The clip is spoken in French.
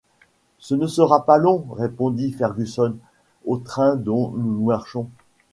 Ce ne sera pas long, répondit Fergusson, au train dont nous marchons.